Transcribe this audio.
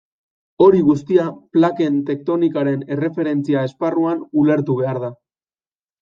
Hori guztia plaken tektonikaren erreferentzia esparruan ulertu behar da.